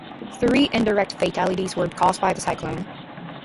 Three indirect fatalities were caused by the cyclone.